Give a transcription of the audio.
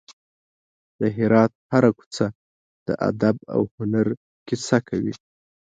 د هرات هره کوڅه د ادب او هنر کیسه کوي.